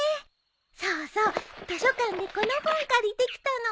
そうそう図書館でこの本借りてきたの。